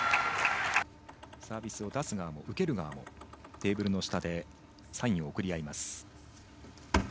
サービスを出す側も受ける側もテーブルの下でサインを送り合います。